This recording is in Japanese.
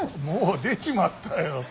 もう出ちまったよ。